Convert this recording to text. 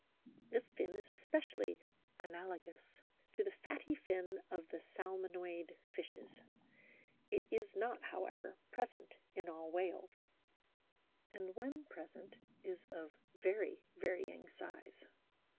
This fin is especially analogous to the fatty fin of the Salmonoid fishes. It is not, however, present in all whales, and, when present, is of very varying size.